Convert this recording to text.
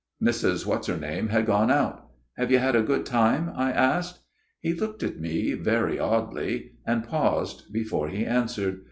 " Mrs. What's her name had gone out. "' Have you had a good time ?' I asked. " He looked at me very oddly ; and paused before he answered.